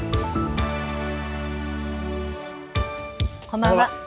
こんばんは。